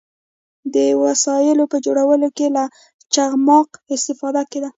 د وسایلو په جوړولو کې له چخماق استفاده کیده.